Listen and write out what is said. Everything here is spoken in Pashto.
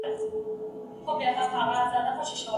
د ښايستونو کوه قاف ته، د لفظونو کمی راغی